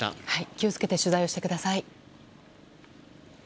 気を付けて取材をしてください。